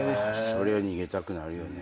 そりゃ逃げたくなるよね。